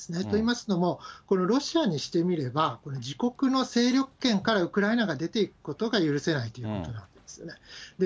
といいますのも、このロシアにしてみれば、自国の勢力圏からウクライナが出ていくことが、許せないということだと思うんですよね。